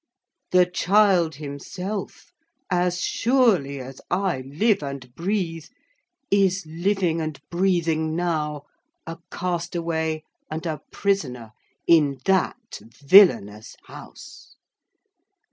The child himself—as surely as I live and breathe, is living and breathing now—a castaway and a prisoner in that villainous house!"